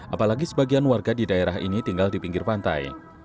apalagi sebagian warga di daerah ini tinggal di pinggir pantai